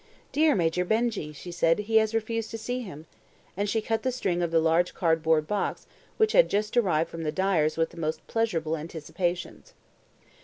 "Dear Major Benjy," she said, "he has refused to see him," and she cut the string of the large cardboard box which had just arrived from the dyer's with the most pleasurable anticipations.